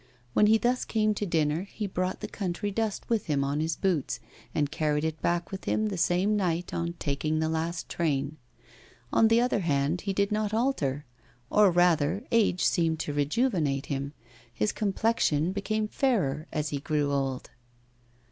When he thus came to dinner he brought the country dust with him on his boots, and carried it back with him the same night on taking the last train. On the other hand, he did not alter; or, rather, age seemed to rejuvenate him; his complexion became fairer as he grew old.